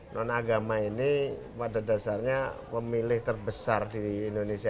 non agama ini pada dasarnya pemilih terbesar di indonesia